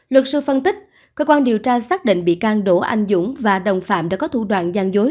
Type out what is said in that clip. luật sư phân tích cơ quan điều tra xác định bị can đỗ anh dũng và đồng phạm đã có thủ đoạn gian dối